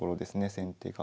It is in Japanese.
先手が。